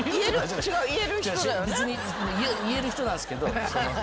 言える人なんすけど。